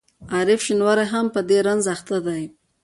عارف شینواری هم په دې رنځ اخته دی.